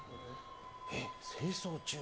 えっ、清掃中。